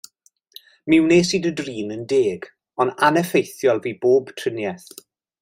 Mi wnes i dy drin yn deg, ond aneffeithiol fu pob triniaeth.